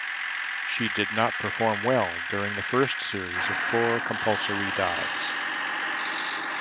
She did not perform well during the first series of four compulsory dives.